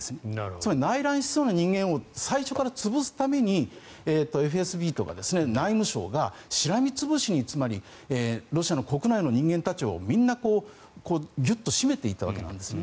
つまり内乱しそうな人間を最初から潰すためにＦＳＢとか内務省がしらみ潰しにロシアの国内の人間たちをみんなぎゅっと締めていたわけなんですね。